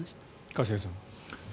一茂さん。